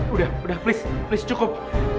udah udah please please cukup